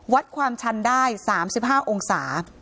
วัดความชันได้๓๕องศา